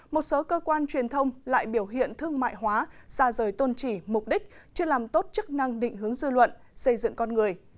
một số cơ quan truyền thông lại biểu hiện thương mại hóa xa rời tôn trì mục đích chưa làm tốt chức năng định hướng dư luận xây dựng con người